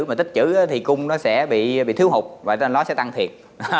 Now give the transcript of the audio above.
mà tích chữ thì cung nó sẽ bị thiếu hụt và nó sẽ tăng thiệt